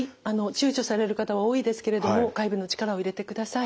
ちゅうちょされる方は多いですけれども外部の力を入れてください。